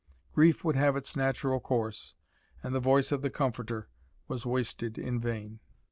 Grief would have its natural course, and the voice of the comforter was wasted in vain.